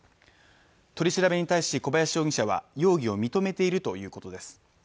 取り調べに対し小林容疑者は容疑を認めているということです。